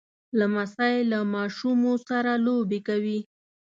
لمسی له ماشومو سره لوبې کوي.